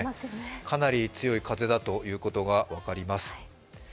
かなり強い風だということが分かります。